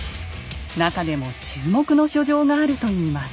なかでも注目の書状があるといいます。